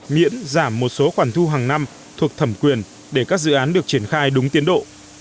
miễn giảm một số khoản thu hàng năm thuộc thẩm quyền để các dự án được triển khai đúng tiến độ